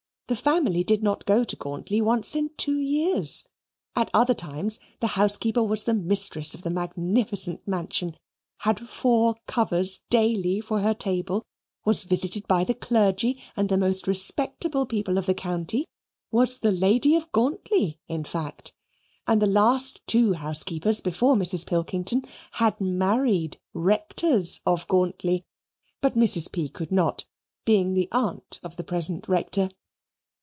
The family did not go to Gauntly once in two years. At other times the housekeeper was the mistress of the magnificent mansion had four covers daily for her table; was visited by the clergy and the most respectable people of the county was the lady of Gauntly, in fact; and the two last housekeepers before Mrs. Pilkington had married rectors of Gauntly but Mrs. P. could not, being the aunt of the present Rector.